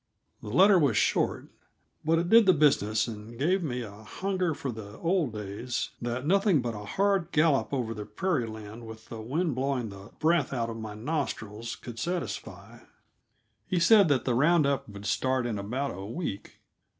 The letter was short, but it did the business and gave me a hunger for the old days that nothing but a hard gallop over the prairie lands, with the wind blowing the breath out of my nostrils, could satisfy. He said the round up would start in about a week.